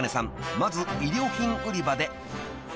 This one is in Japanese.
まず衣料品売り場で］